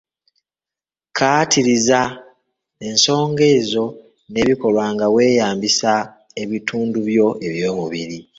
Kkaatiriza ensongazo n'ebikolwa nga weeyambisa ebitundubyo eby'omubiri.